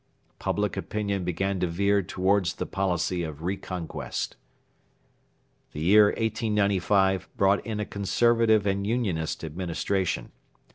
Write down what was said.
Public opinion began to veer towards the policy of re conquest. The year 1895 brought in a Conservative and Unionist Administration.